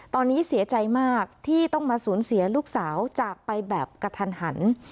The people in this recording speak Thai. ตอนนี้เสียใจมากที่ต้องมาสูญเสียลูกสาวจากไปแบบกระทันหัน